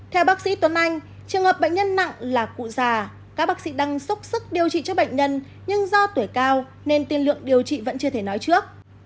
theo bác sĩ tuấn anh trường hợp bệnh nhân nặng là cụ già các bác sĩ đang xúc sức điều trị cho bệnh nhân nhưng do tuổi cao nên tiên lượng điều trị vẫn chưa thể nói trước